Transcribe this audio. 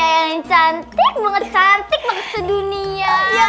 yang cantik cantik dunia